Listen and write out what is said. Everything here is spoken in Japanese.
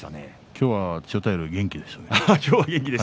今日は千代大龍元気でしたね。